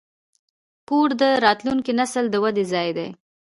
کور د راتلونکي نسل د ودې ځای دی.